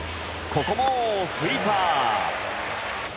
ここもスイーパー！